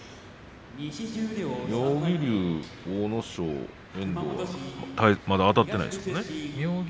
妙義龍、阿武咲、遠藤まだあたっていませんね。